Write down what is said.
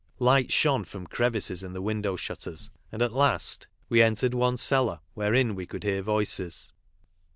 Lights shone from crevices in the window Gutters, and at last we entered one cellar wherein we could hear voices.